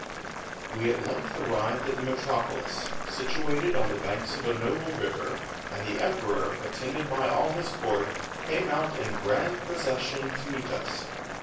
We at length arrived at the metropolis, situated on the banks of a noble river, and the emperor, attended by all his court, came out in grand procession to meet us.